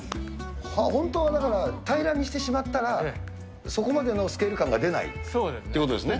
本当はだから、平らにしてしまったら、そこまでのスケール感そうですね。